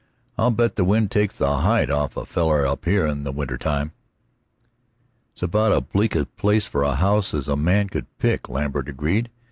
"I'll bet the wind takes the hide off of a feller up here in the wintertime." "It's about as bleak a place for a house as a man could pick," Lambert agreed.